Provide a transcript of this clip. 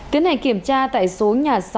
kiến hành kiểm tra tại số nhà sáu